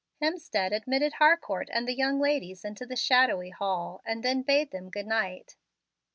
Hemstead admitted Harcourt and the young ladies into the shadowy hall, and then bade them good night.